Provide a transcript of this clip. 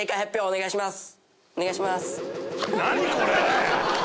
お願いします。